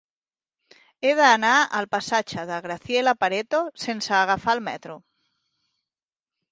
He d'anar al passatge de Graziella Pareto sense agafar el metro.